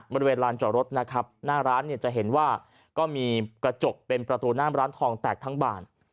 บริเวณลานจอดรถนะครับหน้าร้านเนี่ยจะเห็นว่าก็มีกระจกเป็นประตูหน้ามร้านทองแตกทั้งบาน